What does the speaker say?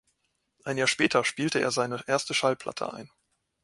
Ein Jahr später spielte er seine erste Schallplatte ein.